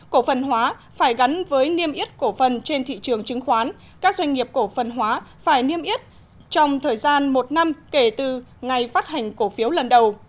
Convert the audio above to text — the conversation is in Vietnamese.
cổ phần hóa phải gắn với niêm yết cổ phần trên thị trường chứng khoán các doanh nghiệp cổ phần hóa phải niêm yết trong thời gian một năm kể từ ngày phát hành cổ phiếu lần đầu